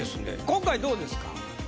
今回どうですか？